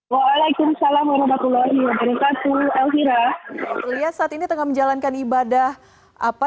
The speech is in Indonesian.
waalaikumsalam warahmatullahi wabarakatuh elvira lia saat ini tengah menjalankan ibadah apa